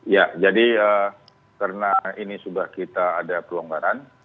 ya jadi karena ini sudah kita ada pelonggaran